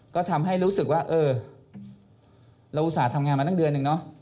ก็ทำให้รู้สึกว่าเออเราอุตส่าห์ทำงานมาตั้งเดือนนึงเนอะ